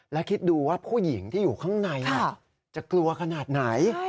และคิดดูว่าผู้หญิงที่อยู่ข้างในจะกลัวขนาดไหน